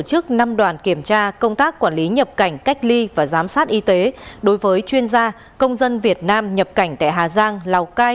cho nên là quá trình làm việc không hợp tác